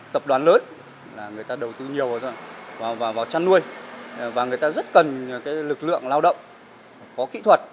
tập đoàn lớn là người ta đầu tư nhiều vào chăn nuôi và người ta rất cần lực lượng lao động có kỹ thuật